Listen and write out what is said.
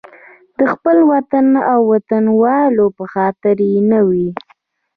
د خپل وطن او وطنوالو په خاطر یې نه وي.